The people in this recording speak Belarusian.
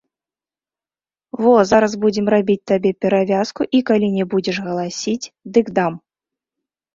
Во зараз будзем рабіць табе перавязку, і калі не будзеш галасіць, дык дам!